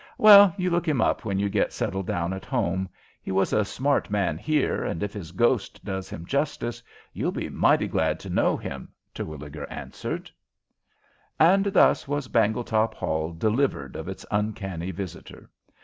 "Well, you look him up when you get settled down at home. He was a smart man here, and, if his ghost does him justice, you'll be mighty glad to know him," Terwilliger answered. And thus was Bangletop Hall delivered of its uncanny visitor.